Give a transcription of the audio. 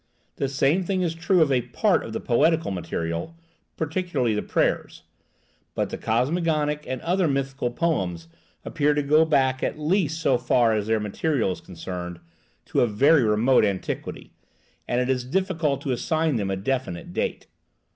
The same thing is true of a part of the poetical material, particularly the prayers; but the cosmogonic and other mythical poems appear to go back, at least so far as their material is concerned, to a very remote antiquity, and it is difficult to assign them a definite date.